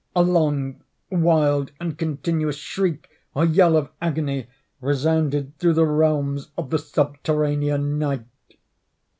A long, wild, and continuous shriek, or yell of agony, resounded through the realms of the subterranean Night.